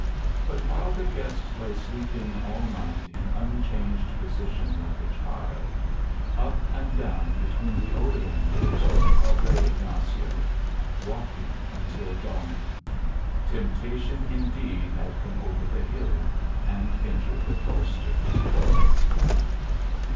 But while the guest lay sleeping all night in unchanged position like a child, up and down between the oleanders went Padre Ignacio, walking until dawn. Temptation indeed had come over the hill and entered the cloisters.